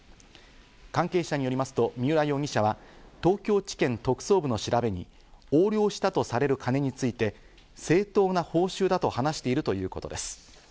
関係者によりますと三浦容疑者は東京地検特捜部の調べに、横領したとされる金について、正当な報酬だと話しているということです。